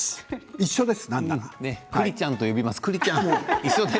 一緒です。